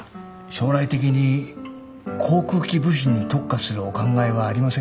将来的に航空機部品に特化するお考えはありませんか？